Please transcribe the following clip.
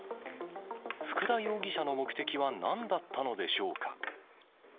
福田容疑者の目的はなんだったのでしょうか。